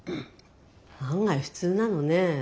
案外普通なのねえ。